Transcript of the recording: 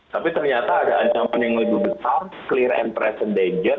tapi ternyata ada ancaman yang lebih besar clear and present danger